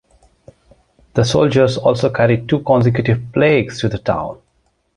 The soldiers also carried two consecutive plagues to the town.